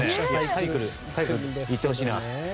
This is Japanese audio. サイクルいってほしいな。